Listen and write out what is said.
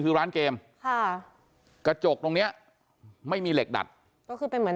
คือร้านเกมค่ะกระจกตรงเนี้ยไม่มีเหล็กดัดก็คือเป็นเหมือน